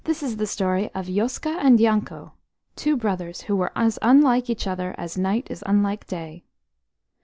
IS the story of Yoska and Yanko, two brothers who were as unlike each other as night is unlike day.